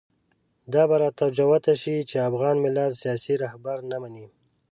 دا به راته جوته شي چې افغان ملت سیاسي رهبري نه مني.